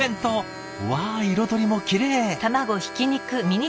わ彩りもきれい。